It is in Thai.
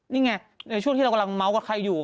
นี่ไงในช่วงที่เรากำลังเมาส์กับใครอยู่